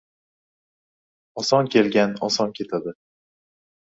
• Oson kelgan oson ketadi.